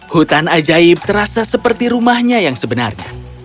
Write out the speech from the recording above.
hutan ajaib terasa seperti rumahnya yang sebenarnya